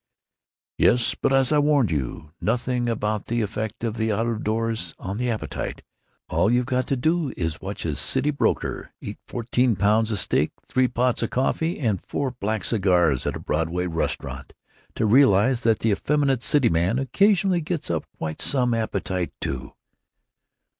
"Yes, but as I warned you, nothing about the effect of out o' doors on the appetite. All you've got to do is to watch a city broker eat fourteen pounds of steak, three pots of coffee, and four black cigars at a Broadway restaurant to realize that the effeminate city man occasionally gets up quite some appetite, too!"